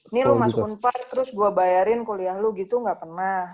ini lu masuk u empat belas terus gua bayarin kuliah lu gitu nggak pernah